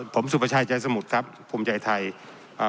ผมสุประชายใจสมุทรครับภูมิใจไทยอ่า